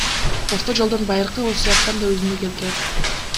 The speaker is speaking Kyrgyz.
Орто жолдон — Байыркы Осуяттан да үзүндү келтирет.